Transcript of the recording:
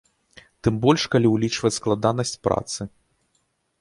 Тым больш, калі ўлічваць складанасць працы.